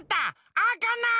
あかない！